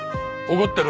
怒ってるよ！